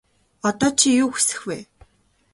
Одоо чи юу хүсэх вэ?